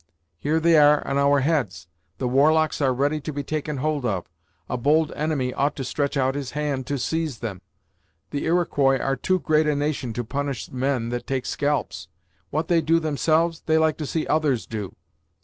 Here they are on our heads; the war locks are ready to be taken hold of; a bold enemy ought to stretch out his hand to seize them. The Iroquois are too great a nation to punish men that take scalps. What they do themselves, they like to see others do.